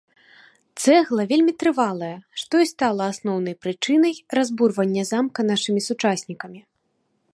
Цэгла вельмі трывалая, што і стала асноўнай прычынай разбурвання замка нашымі сучаснікамі.